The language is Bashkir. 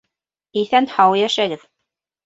— Иҫән-һау йәшәгеҙ!